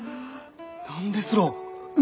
何ですろう？